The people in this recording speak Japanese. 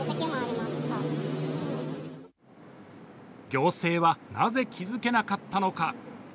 行政はなぜ気づけなかったのか。